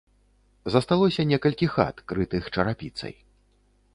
Засталося некалькі хат, крытых чарапіцай.